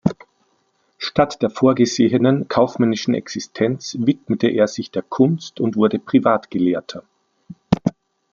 Statt der vorgesehenen kaufmännischen Existenz widmete er sich der Kunst und wurde Privatgelehrter.